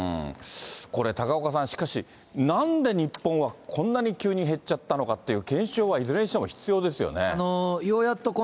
これ、高岡さん、しかし、なんで日本はこんなに急に減っちゃったのかっていう検証はいずれようやっと